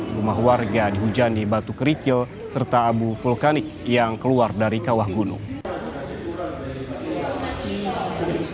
rumah warga dihujani batu kerikil serta abu vulkanik yang keluar dari kawah gunung